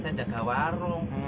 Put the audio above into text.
saya jaga warung